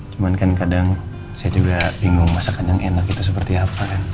cuman kan kadang saya juga bingung masakan yang enak itu seperti apa